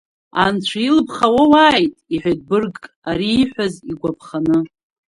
Анцәа илԥха уауааит, — иҳәеит быргк, ари ииҳәаз игәаԥханы.